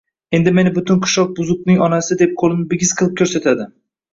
Endi meni butun qishloq buzuqning onasi, deb qo`lini bigiz qilib ko`rsatardi